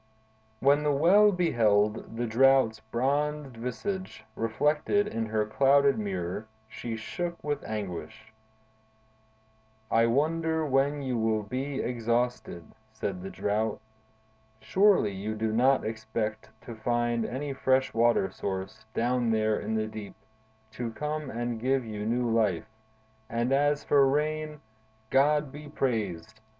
When the Well beheld the Drought's bronzed visage reflected in her clouded mirror, she shook with anguish. "I wonder when you will be exhausted," said the Drought. "Surely, you do not expect to find any fresh water source, down there in the deep, to come and give you new life; and as for rain—God be praised!